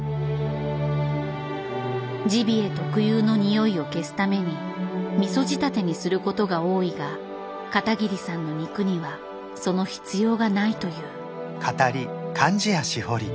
ジビエ特有のにおいを消すためにみそ仕立てにすることが多いが片桐さんの肉にはその必要がないという。